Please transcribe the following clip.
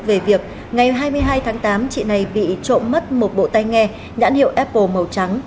về việc ngày hai mươi hai tháng tám chị này bị trộm mất một bộ tay nghe nhãn hiệu apple màu trắng